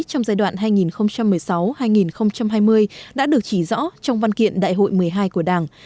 trong giai đoạn hai nghìn một mươi sáu hai nghìn hai mươi đã được chỉ rõ trong văn kiện đại hội một mươi hai của đảng